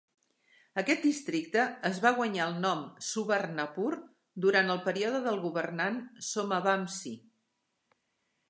Aquest districte es va guanyar el nom "Subarnapur" durant el període del governant Somavamsi.